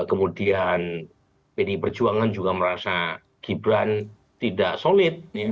kemudian pdi perjuangan juga merasa gibran tidak solid